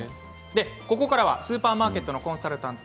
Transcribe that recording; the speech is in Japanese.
ここからスーパーマーケットのコンサルタント